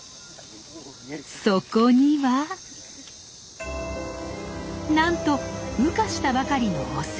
そこにはなんと羽化したばかりのオス。